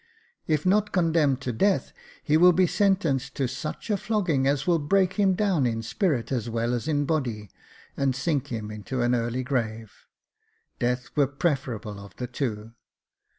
If not condemned to death, he will be sentenced to such a flogging as will break him down in spirit as well as in body, and sink him into an early grave. Death were preferable of the two.